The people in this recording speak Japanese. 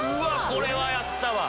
これはやったわ！